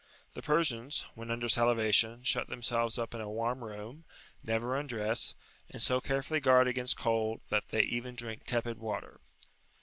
The Persians, when under salivation, shut themselves up in a warm room, never undress, and so carefully guard against cold that they even drink tepid water.